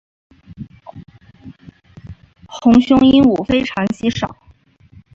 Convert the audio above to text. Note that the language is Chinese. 红胸鹦鹉非常稀少。